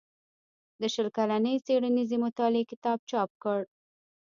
د شل کلنې څيړنيزې مطالعې کتاب چاپ کړ